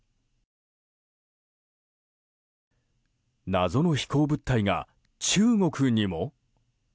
謎の飛行物体が中国にも？